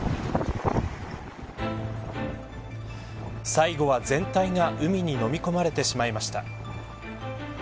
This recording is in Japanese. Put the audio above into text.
最後は全体が海にのみ込まれてしまいました。